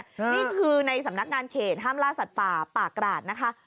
นี่คือในสำนักงานเขตห้ามล่าสัตว์ป่าป่ากราดนะคะ